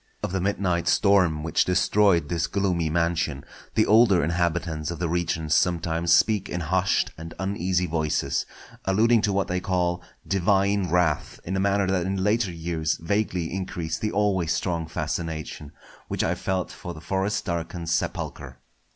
Of the midnight storm which destroyed this gloomy mansion, the older inhabitants of the region sometimes speak in hushed and uneasy voices; alluding to what they call "divine wrath" in a manner that in later years vaguely increased the always strong fascination which I felt for the forest darkened sepulchre.